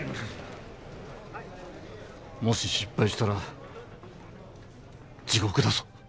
もし失敗したら地獄だぞ。